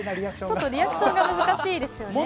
ちょっとリアクションが難しいですよね。